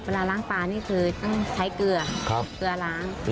ล้างปลานี่คือต้องใช้เกลือเกลือล้าง